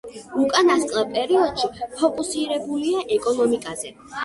უკანასკნელ პერიოდში ფოკუსირებულია ეკონომიკაზე.